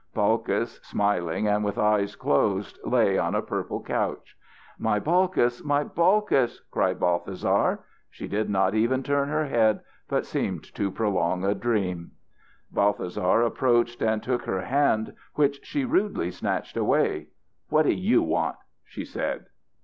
Balkis, smiling and with eyes closed, lay on a purple couch. "My Balkis, my Balkis!" cried Balthasar. She did not even turn her head but seemed to prolong a dream. Balthasar approached and took her hand which she rudely snatched away. "What do you want?" she said.